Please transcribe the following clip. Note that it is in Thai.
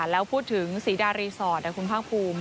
แล้วพูดถึงสีดารีสอร์ทของท่านฮากภูมิ